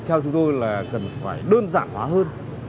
theo chúng tôi là cần phải đơn giản hóa hơn